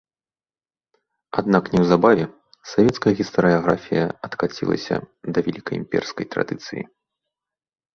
Аднак неўзабаве савецкая гістарыяграфія адкацілася да вялікаімперскай традыцыі.